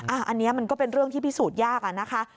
อันนี้มันก็เป็นเรื่องที่พิสูจน์ยากอะนะคะ